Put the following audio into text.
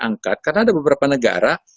angkat karena ada beberapa negara